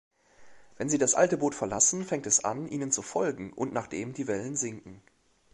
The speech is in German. Wenn sie das alte Boot verlassen, fängt es an, ihnen zu folgen, und nachdem die Wellen sinken.